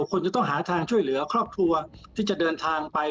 คนจะต้องหาทางช่วยเหลือครอบครัวที่จะเดินทางไป